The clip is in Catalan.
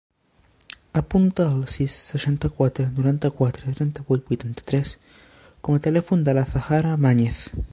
Apunta el sis, seixanta-quatre, noranta-quatre, trenta-vuit, vuitanta-tres com a telèfon de l'Azahara Mañez.